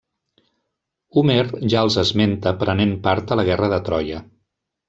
Homer ja els esmenta prenent part a la guerra de Troia.